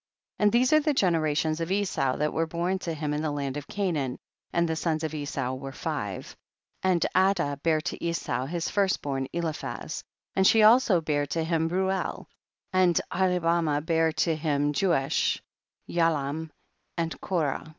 21. And these are the generations of Esau that were born to him in the land of Canaan, and the sons of Esau were five. 22. And Adah bare to Esau his first born Eliphaz, and she also bare to him Reuel, and Ahlibamah bare to him Jeush, Yaalam and Korah.